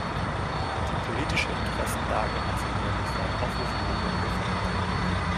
Die politische Interessenlage hat sich nämlich seit Auflösung der Blöcke verändert.